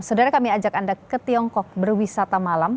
saudara kami ajak anda ke tiongkok berwisata malam